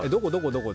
どこ？